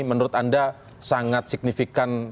menurut anda sangat signifikan